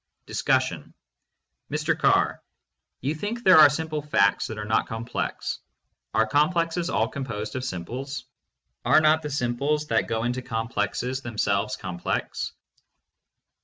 Bertrand Russell. London, England. DISCUSSION. Mr. Carr: You think there are simple facts that are not complex. Are complexes all composed of simples ? Are not the simples that go into complexes themselves complex?